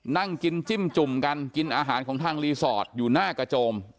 นั่งกินจิ้มจุ่มกันกินอาหารของทางรีสอร์ทอยู่หน้ากระโจม